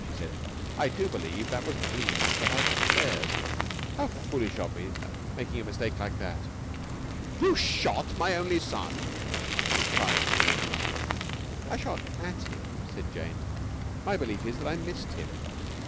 she said. "I do believe that was Bream I shot at upstairs. How foolish of me making a mistake like that!" "You shot my only son!" cried Mr. Mortimer. "I shot at him," said Jane. "My belief is that I missed him.